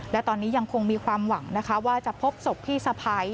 และตอนนี้ยังคงมีความหวังนะคะว่าจะพบศพพี่สะพ้าย